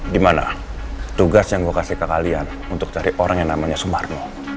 dimana tugas yang gue kasih ke kalian untuk cari orang yang namanya sumarno